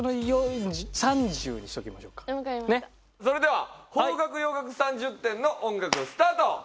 それでは邦楽・洋楽３０点の音楽スタート。